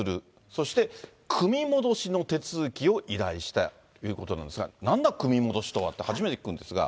そして、組み戻しの手続きを依頼したということなんですが、なんだ、組み戻しとは、初めて聞くんですが。